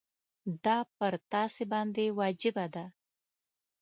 دا پر تاسي باندي واجبه ده.